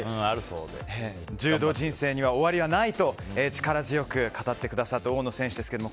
柔道人生に終わりはないと力強く語ってくださった大野選手ですけども。